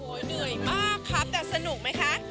เหนื่อยมากครับแต่สนุกไหมคะ